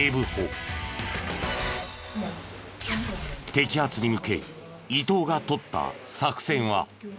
摘発に向け伊藤が取った作戦は。